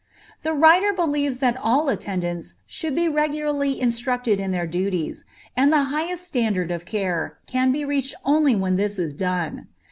The writer believes that all attendants should be regularly instructed in their duties, and the highest standard of care can be reached only when this is done.